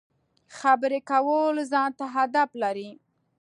خبرې کول ځان ته اداب لري.